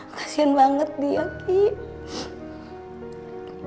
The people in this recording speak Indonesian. kasian banget dia kiki